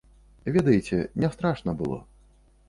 Ведаеце, не страшна было.